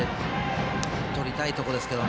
とりたいところですけど。